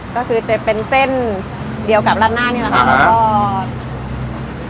ก็คือจะเป็นเส้นเดียวกับราดหน้านี่แหละค่ะแล้วก็